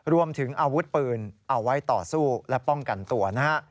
รวมถึงอาวุธปืนเอาไว้ต่อสู้และป้องกันตัวนะฮะ